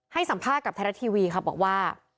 ให้สัมภาษณ์กับไทยรัฐทีวีค่ะบอกว่า